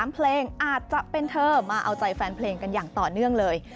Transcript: เพลงอาจจะเป็นเธอมาเอาใจแฟนเพลงกันอย่างต่อเนื่องเลย